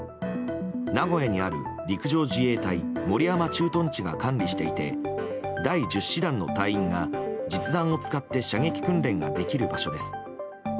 名古屋にある陸上自衛隊守山駐屯地が管理していて第１０師団の隊員が実弾を使って射撃訓練ができる場所です。